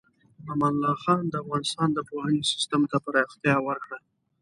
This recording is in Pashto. امان الله خان د افغانستان د پوهنې سیستم ته پراختیا ورکړه.